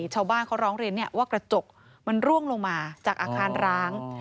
ชาวบ้านเขาร้องเรียนว่ากระจกมันร่วงลงมาจากอาคารร้าง